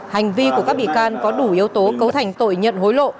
hành vi của các bị can có đủ yếu tố cấu thành tội nhận hối lộ